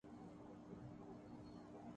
شہد کے استعمال پر ذرہ برابر فرق نہ پڑا۔